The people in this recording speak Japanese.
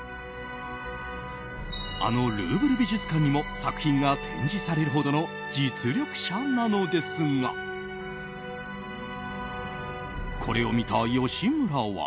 あのルーブル美術館にも作品が展示されるほどの実力者なのですがこれを見た吉村は。